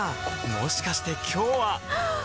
もしかして今日ははっ！